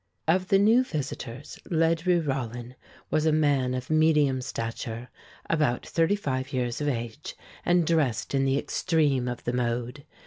Of the new visitors, Ledru Rollin was a man of medium stature, about thirty five years of age and dressed in the extreme of the mode.